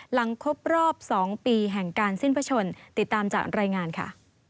หลังครบรอบ๒ปีแห่งการสิ้นพระชนติดตามจากรายงานค่ะ